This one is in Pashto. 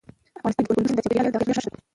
افغانستان کې کندز سیند د چاپېریال د تغیر نښه ده.